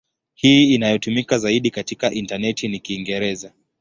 Hii inayotumika zaidi katika intaneti ni Kiingereza.